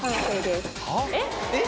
えっ？